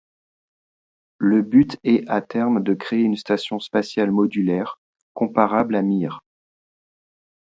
Le but est à terme de créer une station spatiale modulaire, comparable à Mir.